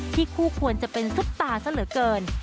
คู่ควรจะเป็นซุปตาซะเหลือเกิน